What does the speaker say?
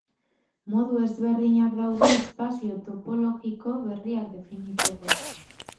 Modu ezberdinak daude espazio topologiko berriak definitzeko.